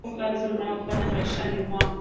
Usi zarau kazi unayo fanya maishani mwako